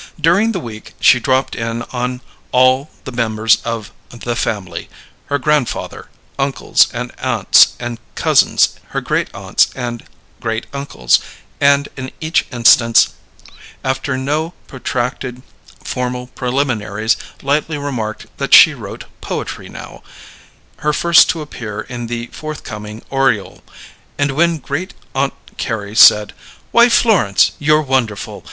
During the week she dropped in on all the members of "the family" her grandfather, uncles and aunts and cousins, her great aunts and great uncles and in each instance, after no protracted formal preliminaries, lightly remarked that she wrote poetry now; her first to appear in the forthcoming Oriole. And when Great Aunt Carrie said, "Why, Florence, you're wonderful!